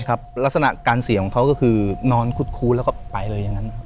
ลักษณะการเสียของเขาก็คือนอนคุดคู้แล้วก็ไปเลยอย่างนั้น